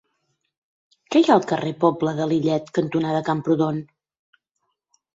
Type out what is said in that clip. Què hi ha al carrer Pobla de Lillet cantonada Camprodon?